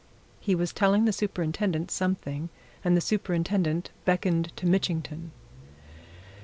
He was telling the Superintendent something and the Superintendent beckoned to Mitchington.